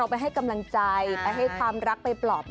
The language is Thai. ไปให้กำลังใจไปให้ความรักไปปลอบ